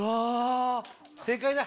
正解だ。